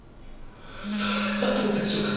それはどうでしょうか。